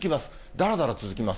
だらだら続きます。